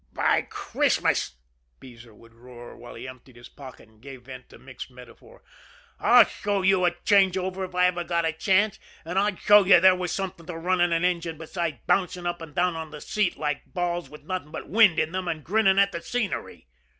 "By Christmas!" Beezer would roar, while he emptied his pocket and gave vent to mixed metaphor, "I'd show you a change over if I ever got a chance; and I'd show you there was something to running an engine besides bouncing up and down on the seat like balls with nothing but wind in them, and grinning at the scenery!"